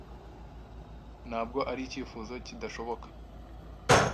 Ntabwo ari icyifuzo kidashoboka.